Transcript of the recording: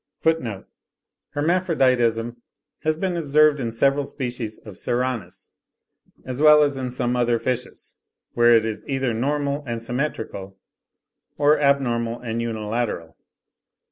(28. Hermaphroditism has been observed in several species of Serranus, as well as in some other fishes, where it is either normal and symmetrical, or abnormal and unilateral.